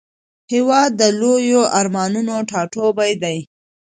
هېواد د لویو ارمانونو ټاټوبی دی.